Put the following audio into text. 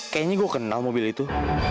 kayaknya gue kenal mobil itu